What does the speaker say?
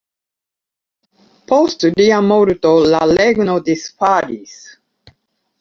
Post lia morto la regno disfalis.